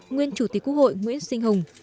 nguyên chủ tịch quốc hội nguyễn sinh hùng